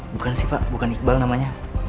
bukan sih pak bukan iqbal namanya